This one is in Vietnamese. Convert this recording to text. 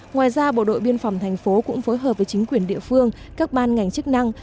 ngoài ra bộ đội biên phòng thành phố cũng phối hợp với chính quyền địa phương các ban ngành chức năng